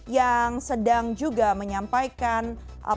yang sedang juga menyampaikan